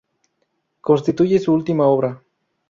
Constituye su última obra.